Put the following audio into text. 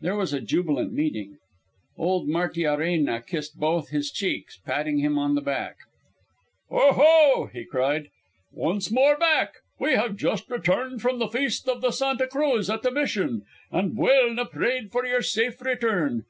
There was a jubilant meeting. Old Martiarena kissed both his cheeks, patting him on the back. "Oh, ho!" he cried. "Once more back. We have just returned from the feast of the Santa Cruz at the Mission, and Buelna prayed for your safe return.